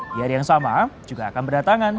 di hari yang sama juga akan berdatangan